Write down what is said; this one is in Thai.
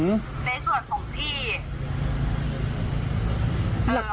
ในส่วนของพี่